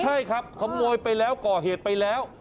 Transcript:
ใช่ครับขโมยไปแล้วก่อเหตุไปแล้ว